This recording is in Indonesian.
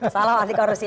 salam anti korupsi